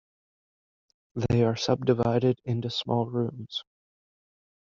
They are subdivided into small rooms.